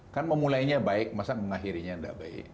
kan memulainya baik masa mengakhirinya tidak baik